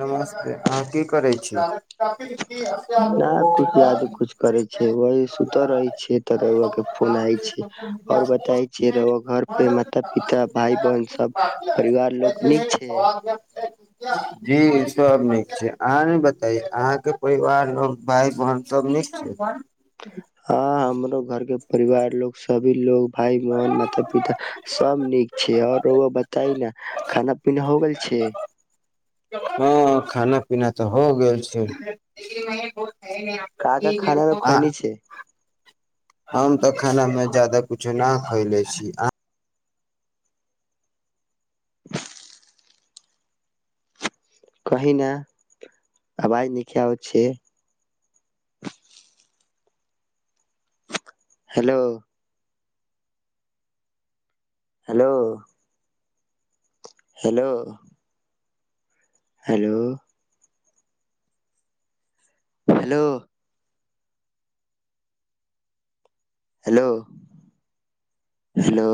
नमस्ते अहाँ की करै छी न कुछ याद कुछ करै छै वही सुतर रहै छिय तऽआ के फोन आ छै आओर बताै छै घर पे माता पिता भाय बहन सब परिवार लोकोग नीक छै [inaudible] जी सब नीक छै अहाँ ने बताय अहाँके परिवार भाय बहन सब नीक छै हँ हमरो घर के परिवार लोग सभी लोग भाय बहन माता पिता सब नीक छै और रुआ बताइ न खाना पीना हो गेल छै हँ खाना पीना तऽ हो गेल छै क का खानामेमे खअइनी छै हम तऽ खानामे ज्यदा किुछो नहि खयले छी [inaudible] कहीं ने आवाज नीके हो छै hello hello hello hello hello hello hello